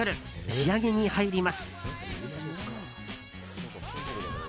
仕上げに入ります。